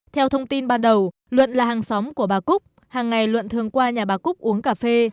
theo thông tin ban đầu luận là hàng xóm của bà cúc hàng ngày luận thường qua nhà bà cúc uống cà phê